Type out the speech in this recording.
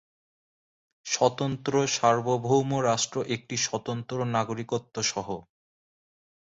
স্বতন্ত্র সার্বভৌম রাষ্ট্র একটি স্বতন্ত্র নাগরিকত্বসহ।